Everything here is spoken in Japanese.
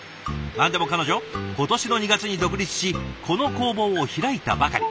何でも彼女今年の２月に独立しこの工房を開いたばかり。